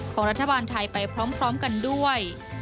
ของรัฐบาลไทยไปพร้อมกันด้วย